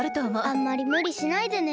あんまりむりしないでね。